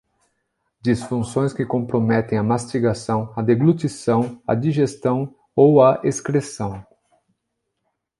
Disfunções que comprometem a mastigação, a deglutição, a digestão ou a excreção.